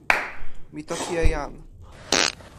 mi toki e jan.